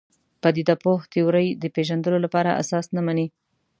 پدیده پوه تیورۍ د پېژندلو لپاره اساس نه مني.